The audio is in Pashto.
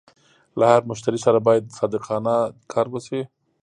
له هر مشتري سره باید صادقانه کار وشي.